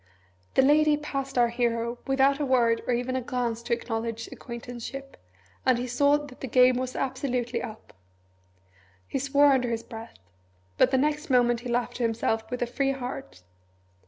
The Lady passed our hero without a word or even a glance to acknowledge acquaintanceship, and he saw that the game was absolutely up. He swore under his breath. But the next moment he laughed to himself with a free heart.